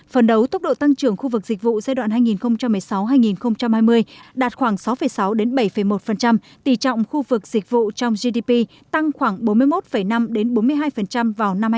phần đầu tốc độ tăng trưởng khu vực dịch vụ giai đoạn hai nghìn một mươi sáu hai nghìn hai mươi đạt khoảng sáu sáu bảy một tỷ trọng khu vực dịch vụ trong gdp tăng khoảng bốn mươi một năm bốn mươi hai vào năm hai nghìn hai mươi